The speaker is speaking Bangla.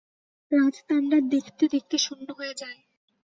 রাজতাণ্ডার দেখতে-দেখতে শূন্য হয়ে যায়।